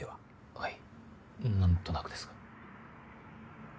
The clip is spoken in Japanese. はい何となくですが。